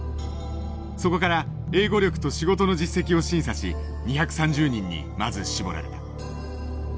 そこから英語力と仕事の実績を審査し２３０人にまず絞られた。